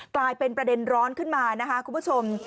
กลายเป็นประเด็นร้อนขึ้นมานะคะคุณผู้ชม